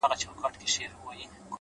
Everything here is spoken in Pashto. سترگي چي اوس مړې اچوي ست بې هوښه سوی دی!